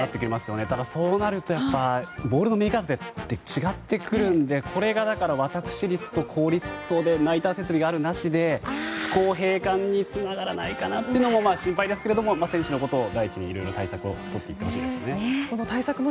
ただ、そうなるとボールの見え方が違ってくるのでこれが私立と公立でナイター設備のあるなしで不公平感につながらないか心配ですけど選手のことを第一にいろいろ対策をしていってほしいですね。